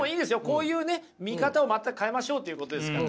こういうね見方を全く変えましょうということですから。